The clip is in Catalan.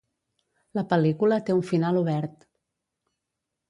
La pel·lícula té un final obert.